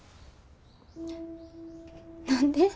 何で？